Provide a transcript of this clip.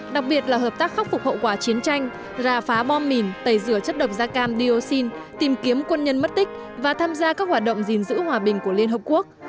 đặc biệt là hợp tác khắc phục hậu quả chiến tranh ra phá bom mìn tẩy rửa chất độc da cam dioxin tìm kiếm quân nhân mất tích và tham gia các hoạt động gìn giữ hòa bình của liên hợp quốc